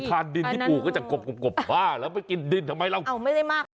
ทานดินที่ปลูกก็จะกบบ้าแล้วไปกินดินทำไมเราเอาไม่ได้มาก